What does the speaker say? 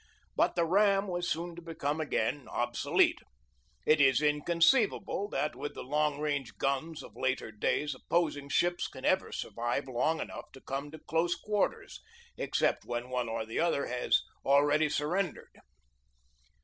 But the ram was soon to become again obsolete. It is inconceivable that with the long range guns of later days opposing ships can ever survive long enough to come to close quarters, except when one or the other has already surrendered.